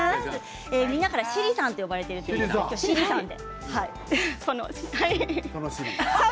みんなからシリさんと呼ばれているということできょうはシリさんで。